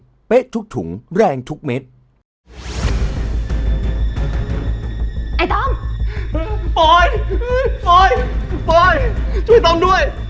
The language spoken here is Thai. แสงทุกเม็ด